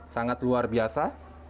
sangat luar biasa